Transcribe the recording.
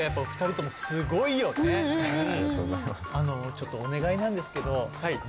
ちょっとお願いなんですけど。